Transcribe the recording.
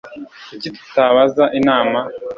Kuki tutabaza inama